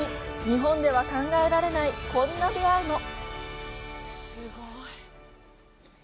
日本では考えられないこんな出会いも！